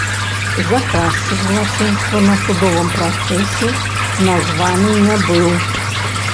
Заказчык злачынства на судовым працэсе названы не быў.